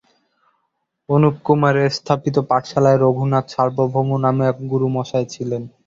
অনুপকুমারের স্থাপিত পাঠশালায় রঘুনাথ সার্বভৌম নামে এক গুরুমহাশয় ছিলেন।